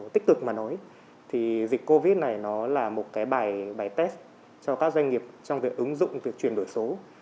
thực sự dịch covid một mươi chín là một bài test cho các doanh nghiệp trong việc ứng dụng việc chuyển đổi số